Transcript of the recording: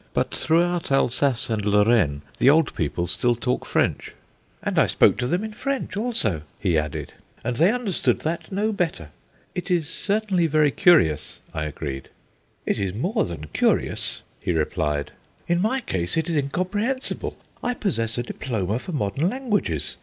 But throughout Alsace and Lorraine the old people still talk French." "And I spoke to them in French also," he added, "and they understood that no better." "It is certainly very curious," I agreed. "It is more than curious," he replied; "in my case it is incomprehensible. I possess a diploma for modern languages.